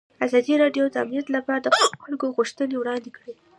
ازادي راډیو د امنیت لپاره د خلکو غوښتنې وړاندې کړي.